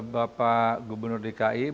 bapak gubernur dki ini